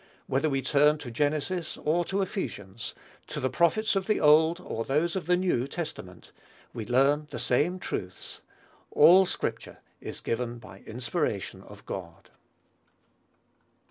Whether we turn to Genesis or to Ephesians, to the prophets of the Old or those of the New Testament, we learn the same truths. "ALL SCRIPTURE IS GIVEN BY INSPIRATION OF GOD."